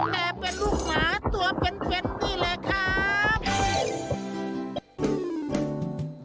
แต่เป็นลูกหมาตัวเป็นนี่แหละครับ